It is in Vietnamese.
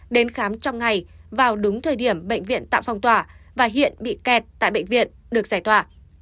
đến khám trong ngày vào đúng thời điểm bệnh viện tạm phong tỏa và hiện bị kẹt tại bệnh viện được giải tỏa